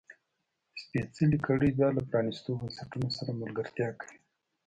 سپېڅلې کړۍ بیا له پرانیستو بنسټونو سره ملګرتیا کوي.